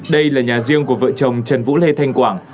đây là nhà riêng của vợ chồng trần vũ lê thanh quảng